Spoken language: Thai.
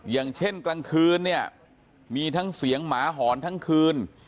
อย่างเช่นกลางคืนเนี่ยมีทั้งเสียงหมาหอนทั้งคืน